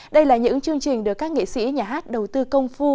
đây là những chương trình được các nghệ sĩ nhà hát đầu tư công phu